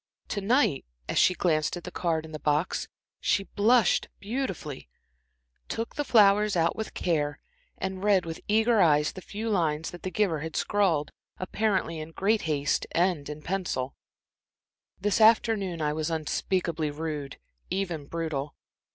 To night, as she glanced at the card in the box, she blushed beautifully, took out the flowers with care, and read with eager eyes the few lines that the giver had scrawled, apparently in great haste and in pencil: "This afternoon I was unspeakably rude even brutal.